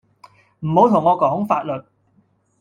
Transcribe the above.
唔好同我講法律